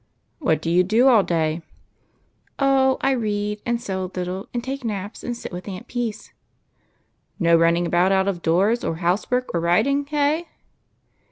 " What do you do all day ?"" Oh, I read, and sew a little, and take naps, and sit with auntie." " No running about out of doors, or house work, or riding, hey